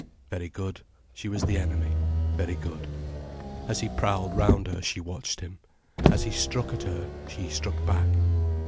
Very good, she was the enemy, very good. As he prowled round her, she watched him. As he struck at her, she struck back.